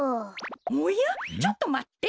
おやちょっとまって。